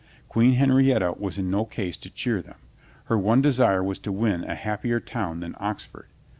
Queen Henrietta was in no case to cheer them. Her one desire was to win to a happier town than Oxford.